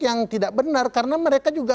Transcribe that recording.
yang tidak benar karena mereka juga